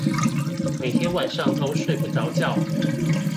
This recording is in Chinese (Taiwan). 每天晚上都睡不著覺